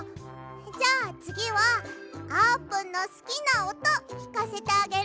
じゃあつぎはあーぷんのすきなおときかせてあげるね。